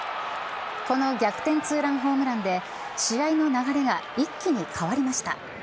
この逆転ツーランホームランで、試合の流れが一気に変わりました。